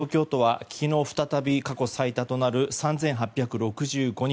東京都は昨日再び過去最多となる３８６５人。